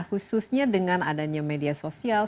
khususnya dengan adanya media sosial